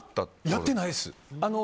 やってないです。